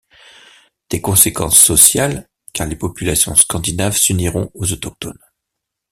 Des conséquences sociales, car les populations scandinaves s'uniront aux autochtones.